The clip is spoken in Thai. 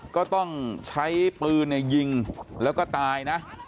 ก็ต้องใช้ปืนยิงแล้วก็ตายนะ